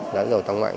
đã rồi tăng trưởng nóng